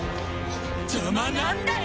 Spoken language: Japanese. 邪魔なんだよ！